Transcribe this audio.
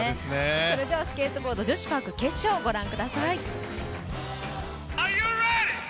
それではスケートボード・パーク女子決勝、ご覧ください。